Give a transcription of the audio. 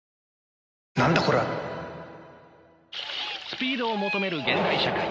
スピードを求める現代社会。